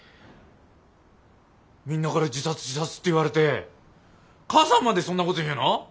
みんなから自殺自殺って言われて母さんまでそんなこと言うの？